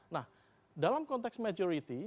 nah dalam konteks majority